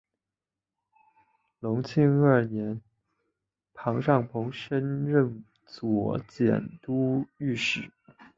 隆庆二年庞尚鹏升任右佥都御史。